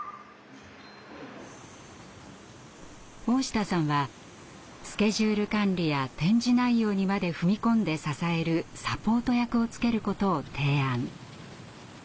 大下さんはスケジュール管理や展示内容にまで踏み込んで支えるサポート役をつけることを提案。